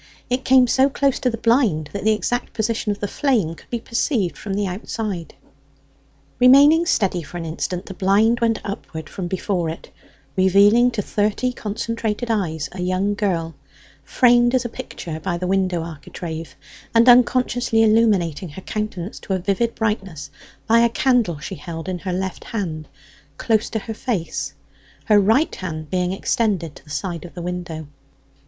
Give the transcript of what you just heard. It came so close to the blind that the exact position of the flame could be perceived from the outside. Remaining steady for an instant, the blind went upward from before it, revealing to thirty concentrated eyes a young girl, framed as a picture by the window architrave, and unconsciously illuminating her countenance to a vivid brightness by a candle she held in her left hand, close to her face, her right hand being extended to the side of the window.